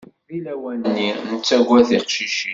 Deg lawan-nni, nettagad tiqcicin.